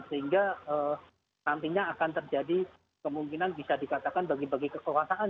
sehingga nantinya akan terjadi kemungkinan bisa dikatakan bagi bagi kekuasaan